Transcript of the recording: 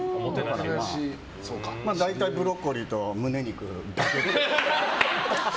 大体、ブロッコリーと胸肉。